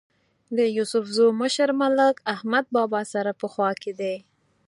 د یوسفزو مشر ملک احمد بابا سره په خوا کې دی.